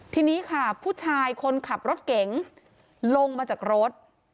ทีนี้ค่ะผู้ชายคนขับรถเก๋งลงมาจากรถ